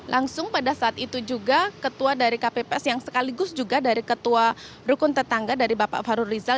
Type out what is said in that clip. langsung pada saat itu juga ketua dari kpps yang sekaligus juga dari ketua rukun tetangga dari bapak fahru rizal